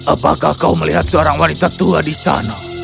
apakah kau melihat seorang wanita tua di sana